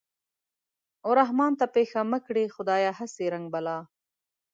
و رحمان ته پېښه مه کړې خدايه هسې رنگ بلا